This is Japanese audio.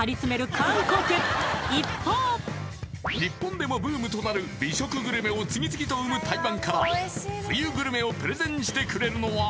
韓国一方日本でもブームとなる美食グルメを次々と生む台湾から冬グルメをプレゼンしてくれるのは？